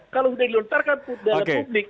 kalau sudah dilontarkan dalam publik